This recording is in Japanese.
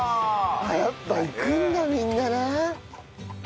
やっぱ行くんだみんななあ。